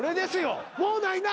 もうないな？